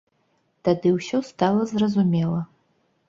Тады ўсё стала зразумела.